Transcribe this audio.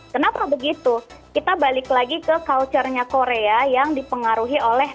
kenapa begitu kita balik lagi ke culture nya korea yang dipengaruhi oleh